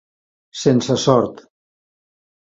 Sense sort